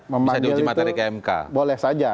memanggil itu boleh saja